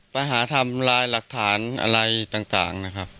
ไปหาทำลายหลักฐานอะไรต่างนะครับ